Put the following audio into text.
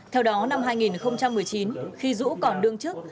theo đó năm hai nghìn một mươi chín khi dũ còn đương chức